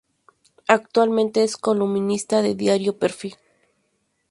Actualmente, es columnista de Diario Perfil.